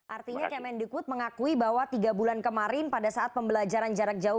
artinya kemendikut mengakui bahwa tiga bulan kemarin pada saat pembelajaran jarak jauh